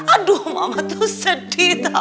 aduh mama tuh sedih tuh